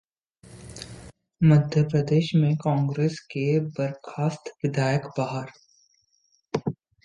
मध्य प्रदेश में कांग्रेस के बर्खास्त विधायक बहाल